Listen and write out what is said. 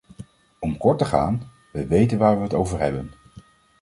Om kort te gaan, we weten waar we het over hebben.